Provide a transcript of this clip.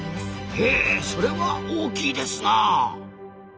へえそれは大きいですな！